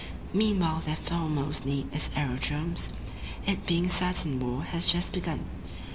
Meanwhile their foremost need is aerodromes, It being certain war has just begun.